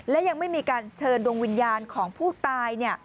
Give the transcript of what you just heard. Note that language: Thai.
และยังไม่มีการเชิญดวงวิญญาณของผู้ตาย